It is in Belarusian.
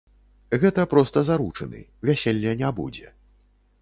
Гэта проста заручыны, вяселля не будзе.